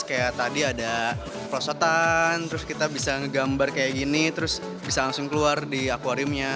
kayak tadi ada pelosotan terus kita bisa ngegambar kayak gini terus bisa langsung keluar di aquariumnya